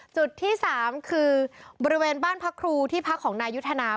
จุดที่๓คือบริเวณบ้านพักครูที่พักของนายยุทธนา